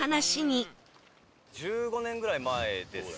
１５年ぐらい前です。